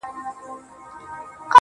ځي له وطنه خو په هر قدم و شاته ګوري.